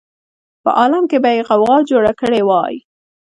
په عالم کې به یې غوغا جوړه کړې وای.